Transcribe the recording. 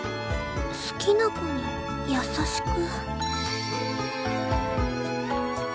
好きな子に優しく